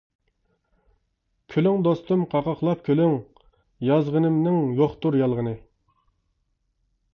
كۈلۈڭ دوستۇم قاقاقلاپ كۈلۈڭ، يازغىنىمنىڭ يوقتۇر يالغىنى.